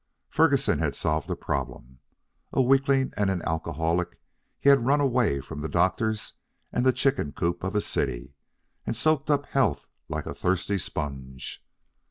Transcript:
Ferguson had solved a problem. A weakling and an alcoholic, he had run away from the doctors and the chicken coop of a city, and soaked up health like a thirsty sponge.